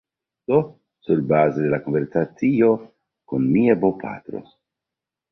Do, surbaze de la konversacio kun mia bopatro